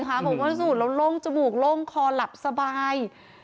นั่นสิคะสูตรแล้วโล่งจมูกโล่งคอหลับสบาย